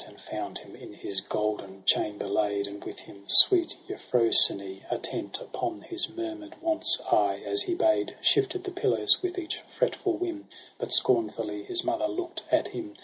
And found him in his golden chamber laid ; And with him sweet Euphrosyne, attent Upon his murmur'd wants, aye as he bade Shifted the pillows with each fretful whim ; But scornfully his mother look'd at him.